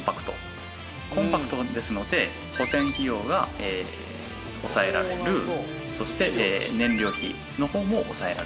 コンパクトですので保線費用が抑えられるそして燃料費の方も抑えられる。